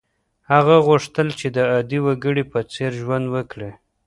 هغه غوښتل چې د عادي وګړي په څېر ژوند وکړي.